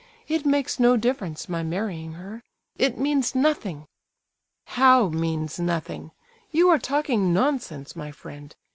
It makes no difference, my marrying her—it means nothing." "How 'means nothing'? You are talking nonsense, my friend.